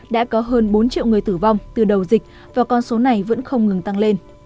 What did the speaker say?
đã có hơn bốn triệu người tử vong từ đầu dịch và con số này vẫn không ngừng tăng lên